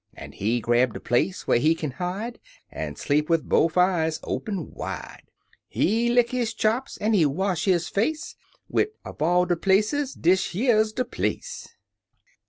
An' he grabbled a place whar he kin hide, An' sleep wid bofe eyes open wide ; He lick his chops, an' he wash his face, Wid, " Uv all de places dish yer's de place!